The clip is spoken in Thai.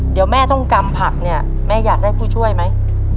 เดี๋ยวแม่ต้องกำผักเนี่ยแม่อยากได้ผู้ช่วยไหม